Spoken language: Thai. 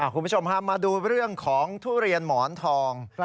คุณผู้ชมฮะมาดูเรื่องของทุเรียนหมอนทอง